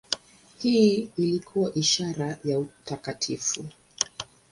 Hii ilikuwa ishara ya utakatifu.